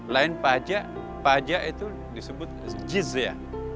lain pajak pajak itu disebut jizya